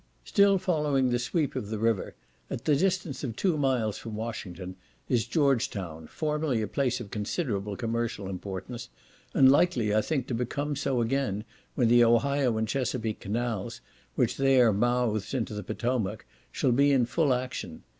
Still following the sweep of the river, at the distance of two miles from Washington, is George Town, formerly a place of considerable commercial importance, and likely, I think, to become so again, when the Ohio and Chesapeake canals, which there mouths into the Potomac, shall be in full action.